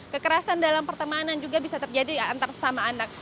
kekerasan dalam pertemanan juga bisa terjadi antar sesama anak